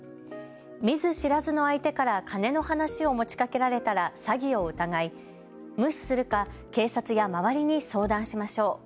見ず知らずの相手から金の話を持ちかけられたら詐欺を疑い、無視するか警察や周りに相談しましょう。